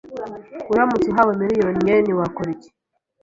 Uramutse uhawe miliyoni yen, wakora iki?